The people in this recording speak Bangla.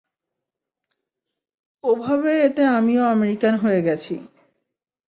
ও ভাবে এতে আমিও আমেরিকান হয়ে গেছি।